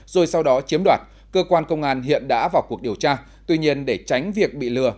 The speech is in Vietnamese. rồi sau đó chiếm đoạt cơ quan công an hiện đã vào cuộc điều tra tuy nhiên để tránh việc bị lừa